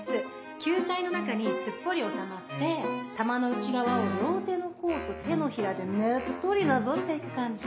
球体の中にすっぽり収まって球の内側を両手の甲と手のひらでねっとりなぞっていく感じ。